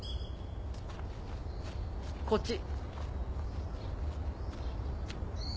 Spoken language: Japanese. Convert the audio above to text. こっち。